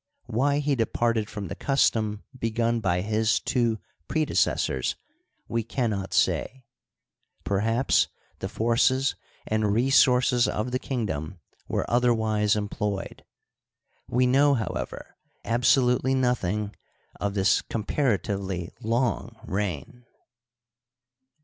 Why he departed from the custom begun by his two predecessors we can not say ; perhaps the forces * and resources of the kingdom were otherwise employed. We know, however, absolutely nothing of this compara tively long reign.